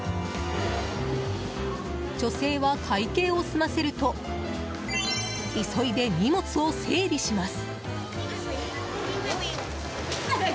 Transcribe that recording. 女性は会計を済ませると急いで荷物を整理します。